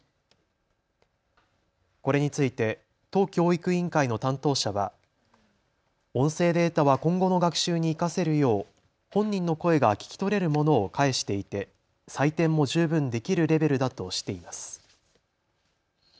これについて都教育委員会の担当者は音声データは今後の学習に生かせるよう本人の声が聞き取れるものを返していて採点も十分できるレベルだとしています。